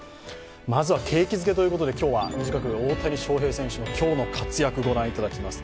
まずは景気づけということで今日は短く大谷翔平選手の今日の活躍、ご覧いただきます。